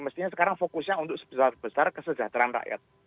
mestinya sekarang fokusnya untuk sebesar besar kesejahteraan rakyat